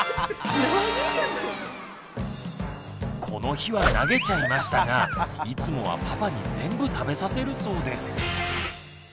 この日は投げちゃいましたがいつもはパパに全部食べさせるそうです。